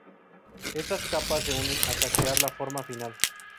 Estas capas se unen hasta crear la forma final.